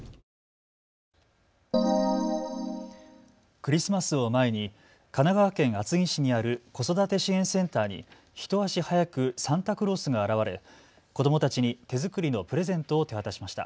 クリスマスを前に神奈川県厚木市にある子育て支援センターに一足早くサンタクロースが現れ、子どもたちに手作りのプレゼントを手渡しました。